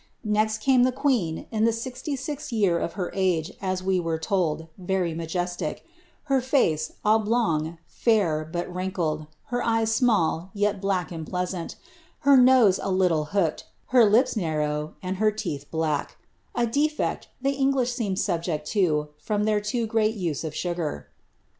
Next came the queen, in the sixty sixth year of her age, as we were told, very majestic ; her face, oblong, frir, but wrinkled ; her eyes small, yet black and pleasant ; her nose a little hooked ; her lips narrow ; and her teeth black (a defect the Eng lish seem subject to, from their too great use of sugar.)